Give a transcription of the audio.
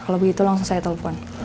kalau begitu langsung saya telepon